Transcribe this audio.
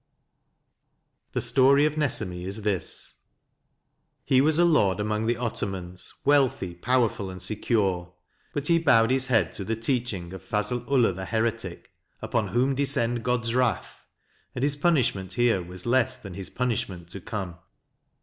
The story of Nesemi is this : He was a lord among the Ottomans, wealthy, powerful, and secure. But he bowed his head to the teaching of Fazl Ullah the heretic, upon whom descend God's wrath, and his punishment here was less than his punishment to come.